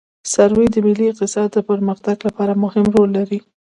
سروې د ملي اقتصاد د پرمختګ لپاره مهم رول لري